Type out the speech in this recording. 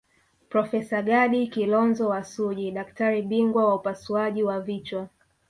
Profesa Gadi Kilonzo wa Suji daktari bingwa wa upasuaji wa vichwa